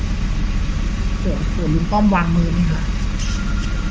ส่วนตัวคุณต้องวางมือไหมครับ